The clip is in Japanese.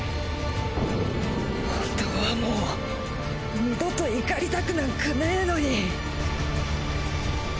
本当はもう二度と怒りたくなんかねえのに。